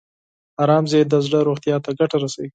ارام ذهن د زړه روغتیا ته ګټه رسوي.